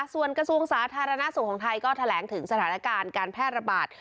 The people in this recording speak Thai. ส่วนกระทรวงสาธารณสุขของไทยก็แถลงถึงสถานการณ์การแพร่ระบาด